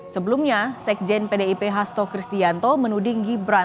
sebelumnya sekjen pdip hasto kristianto menuding gibran